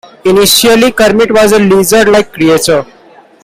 Initially, Kermit was a lizard-like creature.